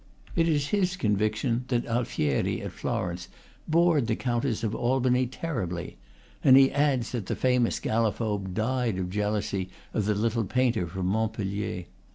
It is his conviction that Alfieri, at Florence, bored the Countess of Albany ter ribly; and he adds that the famous Gallophobe died of jealousy of the little painter from Montpellier.